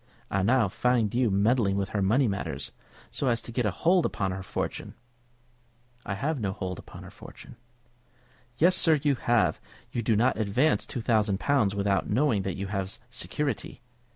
I now find you meddling with her money matters, so as to get a hold upon her fortune." "I have no hold upon her fortune." "Yes, sir, you have. You do not advance two thousand pounds without knowing that you have security.